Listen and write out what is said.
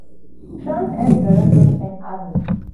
Shorin, S. Zadorin and others.